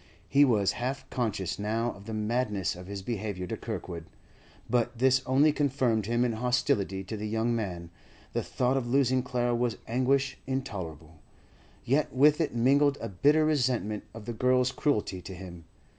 He was half conscious now of the madness of his behaviour to Kirkwood, but this only confirmed him in hostility to the young man; the thought of losing Clara was anguish intolerable, yet with it mingled a bitter resentment of the girl's cruelty to him.